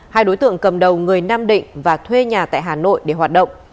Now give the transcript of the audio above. hai đối tượng cầm đầu người nam định và thuê nhà tại hà nội để hoạt động